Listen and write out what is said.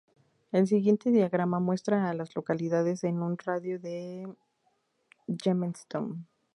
El siguiente diagrama muestra a las localidades en un radio de de Jamestown.